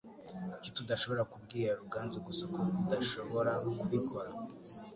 Kuki tudashobora kubwira Ruganzu gusa ko tudashobora kubikora?